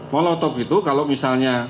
molotov itu kalau misalnya